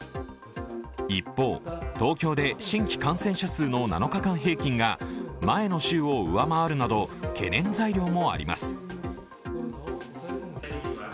一方、東京で新規感染者数の７日間平均が前の週を上回るなど懸念材料もあります。